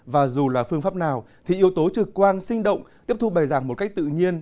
và dù là phương pháp nào thì yếu tố trực quan sinh động tiếp thu bài giảng một cách tự nhiên